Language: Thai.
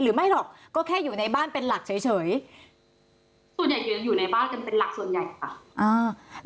หรือไม่หรอกก็แค่อยู่ในบ้านเป็นหลักเฉยส่วนใหญ่อยู่ในบ้านกันเป็นหลักส่วนใหญ่ค่ะ